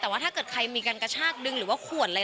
แต่ท่าเขากันมีกันกระชากดึงหรือว่าข่วนอะไร